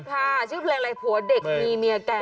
ค่ะชื่อเพลงอะไรผัวเด็กมีเมียแก่